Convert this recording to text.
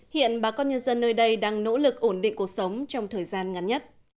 hiện bà con nhân dân nơi đây đang nỗ lực ổn định cuộc sống trong thời gian ngắn nhất